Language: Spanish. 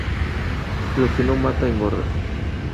Lo que no mata, engorda